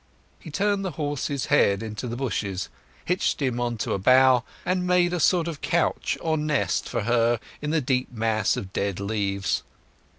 He turned the horse's head into the bushes, hitched him on to a bough, and made a sort of couch or nest for her in the deep mass of dead leaves.